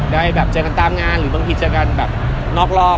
ได้แบบเจอกันตามงานหรือบางทีเจอกันแบบนอกรอบ